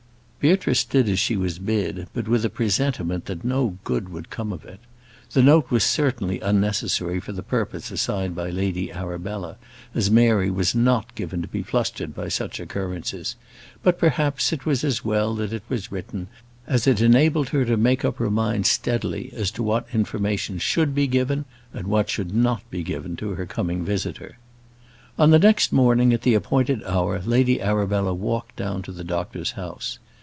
Beatrice did as she was bid, but with a presentiment that no good would come of it. The note was certainly unnecessary for the purpose assigned by Lady Arabella, as Mary was not given to be flustered by such occurrences; but, perhaps, it was as well that it was written, as it enabled her to make up her mind steadily as to what information should be given, and what should not be given to her coming visitor. On the next morning, at the appointed hour, Lady Arabella walked down to the doctor's house.